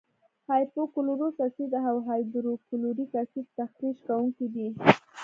هایپو کلورس اسید او هایدروکلوریک اسید تخریش کوونکي دي.